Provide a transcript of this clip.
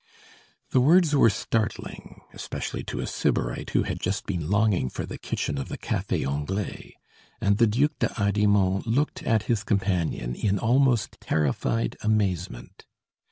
The words were startling, especially to a Sybarite who had just been longing for the kitchen of the Café Anglais, and the Duc de Hardimont looked at his companion in almost terrified amazement.